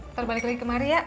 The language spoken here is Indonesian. ntar balik lagi kemari ya